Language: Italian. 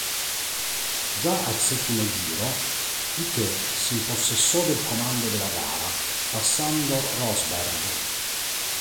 Già al settimo giro Piquet s'impossessò del comando della gara, passando Rosberg.